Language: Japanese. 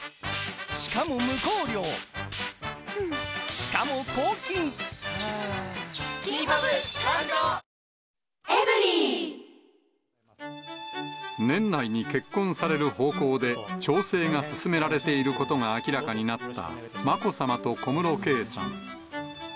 しかし、解決金についても、話し合い年内に結婚される方向で調整が進められていることが明らかになったまこさまと小室圭さん。